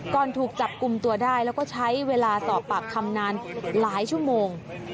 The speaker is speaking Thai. ถูกจับกลุ่มตัวได้แล้วก็ใช้เวลาสอบปากคำนานหลายชั่วโมง